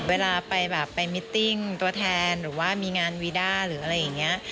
เวลาไปแบบไปมิตติ้งตัวแทนหรือว่ามีงานวีด้าหรืออะไรอย่างนี้